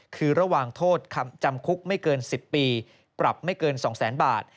คือระหว่างโทษจำคุกไม่เกิน๑๐ปีปรับไม่เกิน๒๐๐๐๐บาท